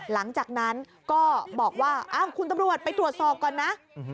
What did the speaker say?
หลังจากนั้นก็บอกว่าคุณตำรวจไปตรวจสอบก่อนนะ